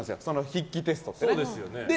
筆記テストって。